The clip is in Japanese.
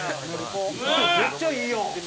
「めっちゃいいやん！